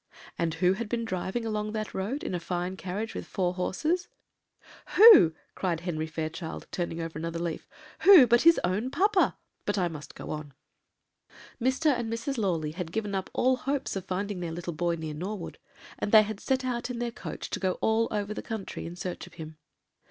"And who had been driving along that road in a fine carriage with four horses?" "Who?" cried Henry Fairchild, turning over another leaf; "who, but his own papa? but I must go on." "Mr. and Mrs. Lawley had given up all hopes of finding their little boy near Norwood, and they had set out in their coach to go all over the country in search of him.